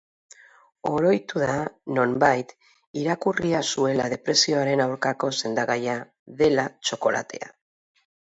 Oroitu da nonbait irakurria zuela depresioaren aurkako sendagaia dela txokolatea.